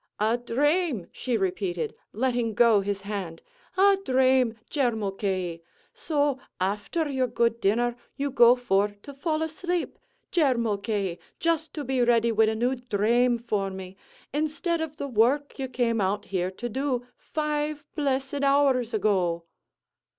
"A dhrame!" she repeated, letting go his hand, "a dhrame, Jer Mulcahy! so, afther your good dinner, you go for to fall asleep, Jer Mulcahy, just to be ready wid a new dhrame for me, instead of the work you came out here to do, five blessed hours ago!"